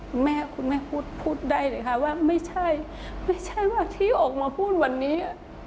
คุณแม่คุณแม่พูดพูดได้เลยค่ะว่าไม่ใช่ไม่ใช่ว่าที่ออกมาพูดวันนี้